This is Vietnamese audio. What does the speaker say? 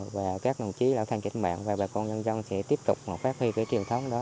và các đồng chí lão thành cách mạng và bà con nhân dân sẽ tiếp tục phát huy cái truyền thống đó